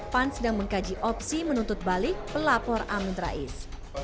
pan sedang mengkaji opsi menuntut balik pelapor amin rais